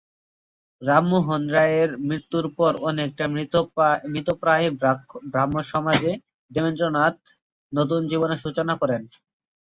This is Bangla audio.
রামমোহন রায়ের মৃত্যুর পর অনেকটা মৃতপ্রায় ব্রাহ্ম সমাজে দেবেন্দ্রনাথ নতুন জীবনের সূচনা করেন।